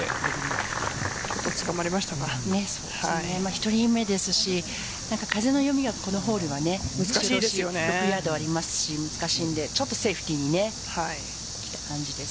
１人目ですし風の読みがこのホールは難しいのでちょっとセーフティーにという感じです。